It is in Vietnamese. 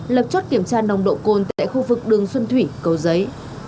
lập chốt kiểm tra nồng độ cồn tại khu vực đường xuân thủy cầu giấy